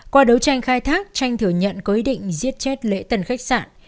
qua đấu tranh khai thác tranh thừa nhận có ý định giết chết lễ tần khách sạn